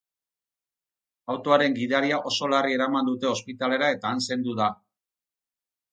Autoaren gidaria oso larri eraman dute ospitalera eta han zendu da.